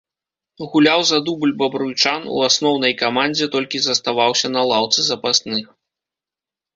Гуляў за дубль бабруйчан, у асноўнай камандзе толькі заставаўся на лаўцы запасных.